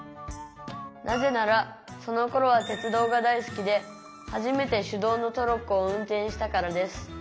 なぜならそのころは鉄道が大好きで初めて手動のトロッコを運転したからです。